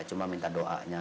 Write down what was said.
cuma minta doanya